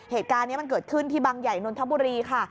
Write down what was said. เหตุการณ์นี้มันเกิดขึ้นที่บังใหญ่นนทบุรีค่ะ